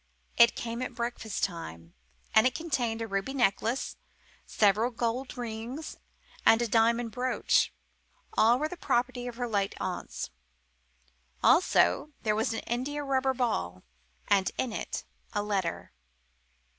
It came at breakfast time, and it contained the ruby necklace, several gold rings, and a diamond brooch. All were the property of her late aunts. Also there was an india rubber ball, and in it a letter.